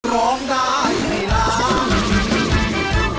ร้องได้ให้ร้อง